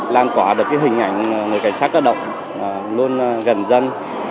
làm quả được cái hình ảnh người cảnh sát đã đọc luôn gần dân